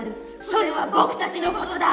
それは僕たちの事だ！